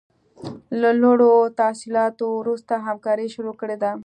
له لوړو تحصیلاتو وروسته همکاري شروع کړې ده.